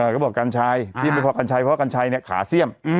ก็บอกกัญชัยเพราะกัญชัยขาเสี้ยม